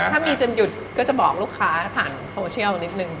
ถ้ามีจนหยุดก็จะบอกลูกค้าผ่านโซเชียลนิดนึง